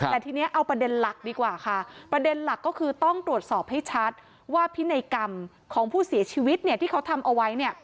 แต่ทีนี้เอาประเด็นหลักดีกว่าค่ะประเด็นหลักก็คือต้องตรวจสอบให้ชัดว่าพินัยกรรมของผู้เสียชีวิตเนี่ยที่เขาทำเอาไว้เนี่ย